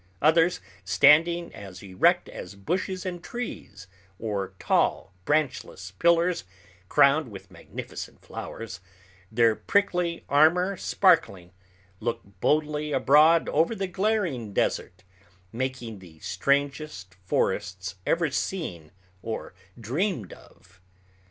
Others, standing as erect as bushes and trees or tall branchless pillars crowned with magnificent flowers, their prickly armor sparkling, look boldly abroad over the glaring desert, making the strangest forests ever seen or dreamed of.